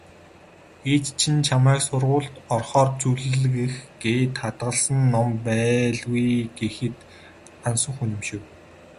"Ээж чинь чамайг сургуульд орохоор зүүлгэх гээд хадгалсан юм байлгүй" гэхэд Гансүх үнэмшив.